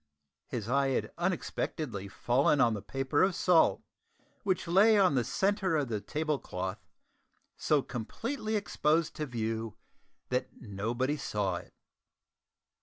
His eye had unexpectedly fallen on the paper of salt which lay on the centre of the table cloth, so completely exposed to view that nobody saw it!